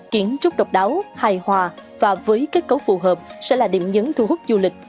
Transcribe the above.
kiến trúc độc đáo hài hòa và với kết cấu phù hợp sẽ là điểm nhấn thu hút du lịch